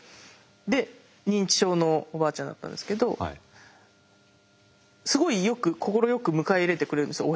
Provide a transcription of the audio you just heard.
で認知症のおばあちゃんだったんですけどすごいよく快く迎え入れてくれるんですよ